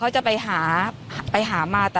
หลากหลายรอดอย่างเดียว